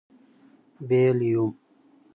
بېل. √ یوم